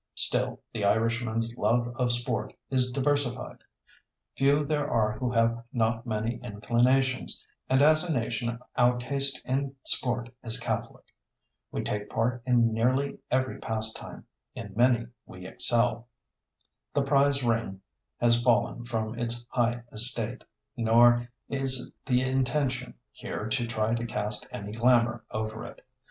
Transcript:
Still, the Irishman's love of sport is diversified. Few there are who have not many inclinations, and as a nation our taste in sport is catholic. We take part in nearly every pastime; in many we excel. The prize ring has fallen from its high estate, nor is it the intention here to try to cast any glamour over it.